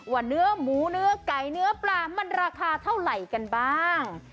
ว่าเนื้อหมูเนื้อไก่เนื้อปลามันราคาเท่าไหร่กันบ้าง